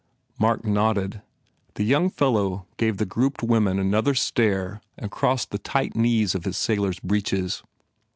Mark nodded. The young fellow gave the grouped women another stare and crossed the tight knees of his sailor s breeches.